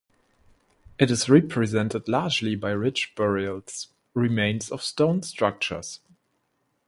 It is represented largely by rich burials, remains of stone structures.